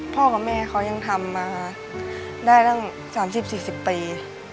พ่อกับแม่เขายังทำมาได้ตั้งสามสิบสี่สิบปี